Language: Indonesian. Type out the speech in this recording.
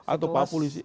atau pak pulisi